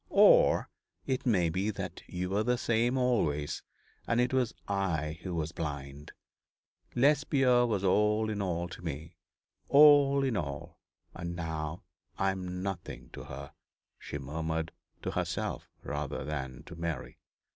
Or it may be that you were the same always, and it was I who was blind. Lesbia was all in all to me. All in all and now I am nothing to her,' she murmured, to herself rather than to Mary.